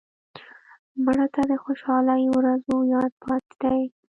مړه ته د خوشحالۍ ورځو یاد پاتې دی